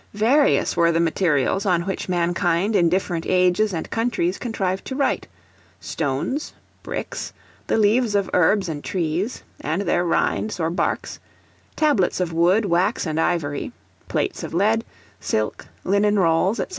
Various were the materials on which mankind in different ages and countries contrived to write: stones, bricks, the leaves of herbs and trees, and their rinds or barks; tablets of wood, wax, and ivory; plates of lead, silk, linen rolls, &c.